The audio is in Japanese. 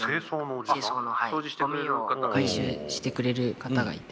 ゴミを回収してくれる方がいて。